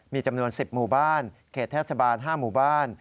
มีจำนวน๑๐หมู่บ้านเขตเทศบาล๕หมู่บ้าน